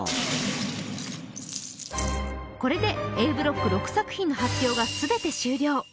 これでＡブロック６作品の発表がすべて終了